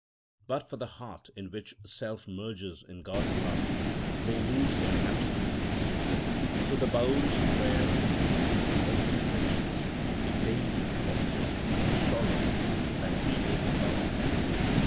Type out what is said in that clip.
But for the heart in which self merges in God's love, they lose their absoluteness. So the Baül's prayer is to feel in all situations—in danger, or pain, or sorrow—that he is in God's hands.